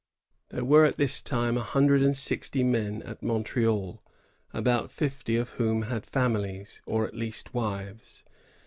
There were at this time a hundred and sixty men at Montreal, about fifty of whom had families, or at least wives.